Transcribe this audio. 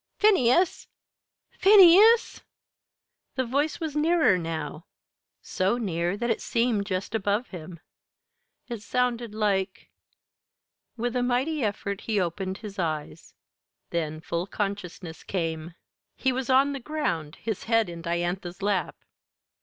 "Phineas! Phineas!" The voice was nearer now, so near that it seemed just above him. It sounded like With a mighty effort he opened his eyes; then full consciousness came. He was on the ground, his head in Diantha's lap.